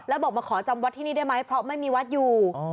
แล้วบอกมาขอจำวัดที่นี่ได้ไหมเพราะไม่มีวัดอยู่